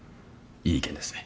いい意見ですね。